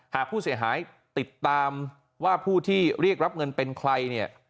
หากผู้เสียหายติดตามว่าผู้ที่เรียกรับเงินเป็นใครเนี่ย